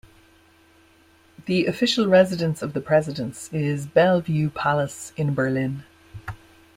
The official residence of the President is Bellevue Palace in Berlin.